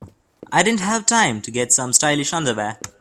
I didn't have time to get some stylish underwear.